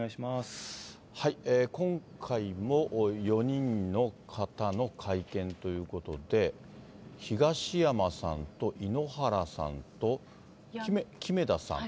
今回も４人の方の会見ということで、東山さんと井ノ原さんと木目田さん。